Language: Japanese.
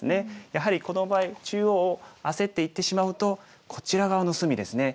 やはりこの場合中央を焦っていってしまうとこちら側の隅ですね。